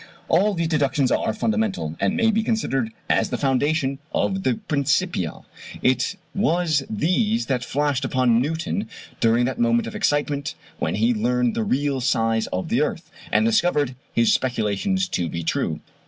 All these deductions are fundamental, and may be considered as the foundation of the Principia. It was these that flashed upon Newton during that moment of excitement when he learned the real size of the earth, and discovered his speculations to be true.